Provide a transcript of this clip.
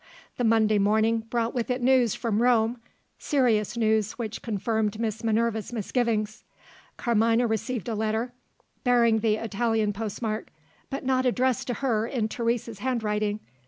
The Monday morning brought with it news from Rome serious news which confirmed Miss Minerva's misgivings. Carmina received a letter, bearing the Italian postmark, but not addressed to her in Teresa's handwriting.